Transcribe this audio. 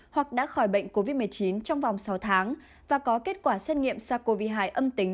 hoặc đã khỏi bệnh covid một mươi chín trong vòng sáu tháng và có kết quả xét nghiệm sars cov hai âm tính